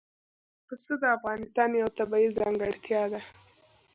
پسه د افغانستان یوه طبیعي ځانګړتیا ده.